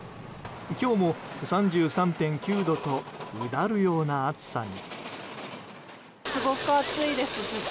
今日も３３．９度とうだるような暑さに。